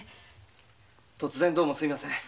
突然どうもすみません。